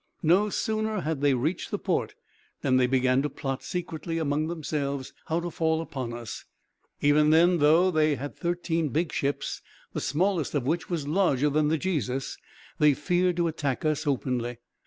No sooner had they reached the port than they began to plot, secretly among themselves, how to fall upon us. Even then, though they had thirteen big ships, the smallest of which was larger than the Jesus, they feared to attack us openly.